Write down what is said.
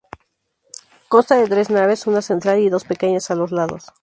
Consta de tres naves, una central y dos pequeñas a los lados.